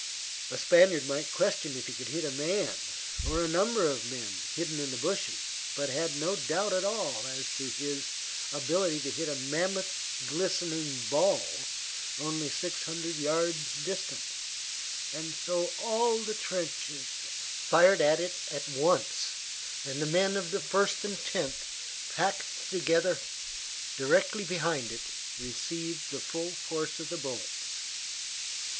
A Spaniard might question if he could hit a man, or a number of men, hidden in the bushes, but had no doubt at all as to his ability to hit a mammoth glistening ball only six hundred yards distant, and so all the trenches fired at it at once, and the men of the First and Tenth, packed together directly behind it, received the full force of the bullets.